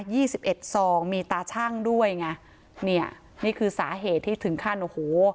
สิบเอ็ดซองมีตาชั่งด้วยไงเนี่ยนี่คือสาเหตุที่ถึงขั้นโอ้โห